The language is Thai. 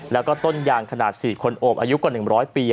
แล้วก็ต้นยางขนาด๔คนโอบอายุกว่า๑๐๐ปี